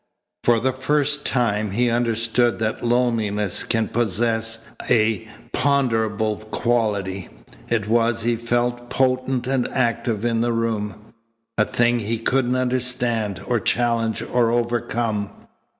For the first time he understood that loneliness can possess a ponderable quality. It was, he felt, potent and active in the room a thing he couldn't understand, or challenge, or overcome.